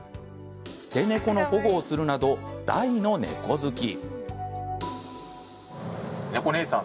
捨て猫の保護をするなど大の猫好き。